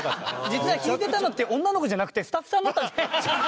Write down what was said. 実は引いてたのって女の子じゃなくてスタッフさんだったんじゃ。